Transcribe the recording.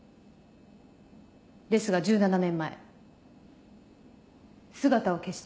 ですが１７年前姿を消した。